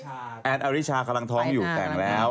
แอนด์อาริชาแอนด์อาริชากำลังท้องอยู่แต่งแล้ว